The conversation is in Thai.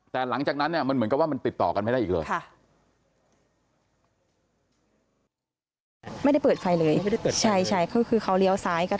แต่หลังจากนั้นเนี่ยมันเหมือนกับว่ามันติดต่อกันไม่ได้อีกเลย